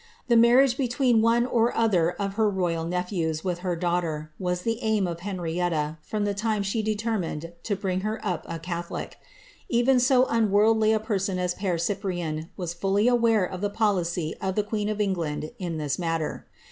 A marriage between one or other of her royal nephevs, with her daughter, was the aim of Henrietta, from the time she deto mined to bring her up a catholic. Even so unworldly a person as I%e Cyprian was fully aware of the policy of the queen of England in this matter.